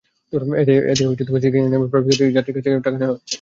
এখানে চেকিংয়ের নামে প্রায় প্রতিটি যাত্রীর কাছ থেকে টাকা নেওয়া হচ্ছে।